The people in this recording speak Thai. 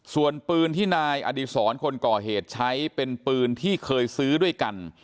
ส่วนปืนที่นายอดีศรคนก่อเหตุใช้เป็นปืนที่เคยซื้อด้วยกัน